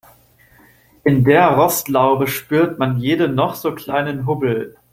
In der Rostlaube spürt man jeden noch so kleinen Hubbel.